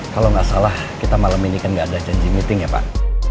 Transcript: kalau nggak salah kita malam ini kan nggak ada janji meeting ya pak